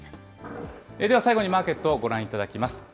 では最後にマーケットをご覧いただきます。